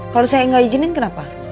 kalau saya nggak izinin kenapa